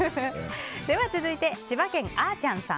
続いて、千葉県の方。